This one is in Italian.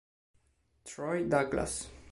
Troy Douglas